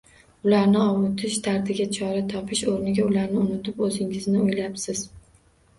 Ularni ovutish, dardiga chora topish o'rniga ularni unutib, o'zingizni o'ylabsiz.